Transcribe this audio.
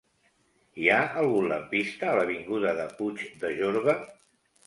Hi ha algun lampista a l'avinguda de Puig de Jorba?